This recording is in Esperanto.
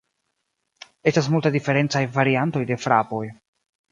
Estas multaj diferencaj variantoj de frapoj.